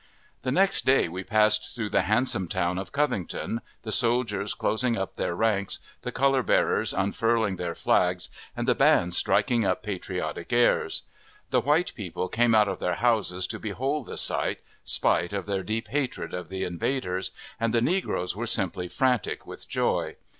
The next day we passed through the handsome town of Covington, the soldiers closing up their ranks, the color bearers unfurling their flags, and the bands striking up patriotic airs. The white people came out of their houses to behold the sight, spite of their deep hatred of the invaders, and the negroes were simply frantic with joy.